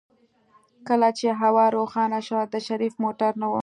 کله چې هوا روښانه شوه د شريف موټر نه و.